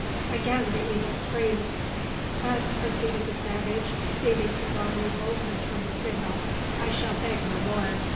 Again the eagle screamed! "But," proceeded the savage, seeming to draw new boldness from the signal, "I shall beg no more.